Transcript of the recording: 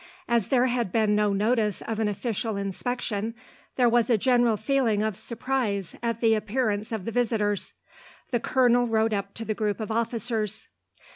As there had been no notice of an official inspection, there was a general feeling of surprise at the appearance of the visitors. The colonel rode up to the group of officers.